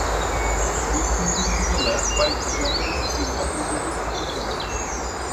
দক্ষিণ দিল্লি জেলার কয়েকটি জনবসতি মধ্যযুগে স্থাপিত হয়েছিল।